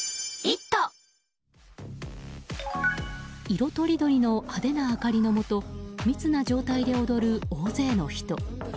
色とりどりの派手な明かりのもと密な状態で踊る大勢の人。